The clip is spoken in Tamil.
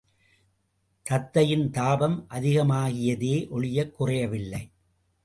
தத்தையின் தாபம் அதிகமாகியதே ஒழியக் குறையவில்லை.